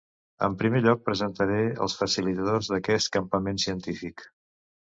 En primer lloc, presentaré els facilitadors d'aquest campament científic.